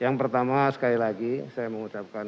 yang pertama sekali lagi saya mengucapkan